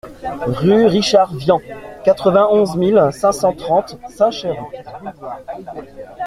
Rue Richard Vian, quatre-vingt-onze mille cinq cent trente Saint-Chéron